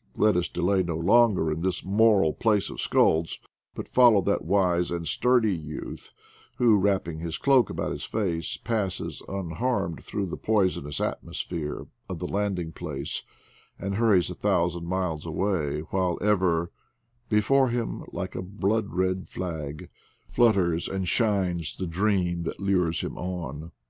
... Let us delay no longer in this moral place of skulls, but follow THE WAS WITH NATURE 83 that wise and sturdy youth who, wrapping his cloak about his face, passes unharmed through the poisonous atmosphere of the landing place, and hurries a thousand miles away, while ever Before him, like a blood red flag, flutters and shines the dream that lures him on.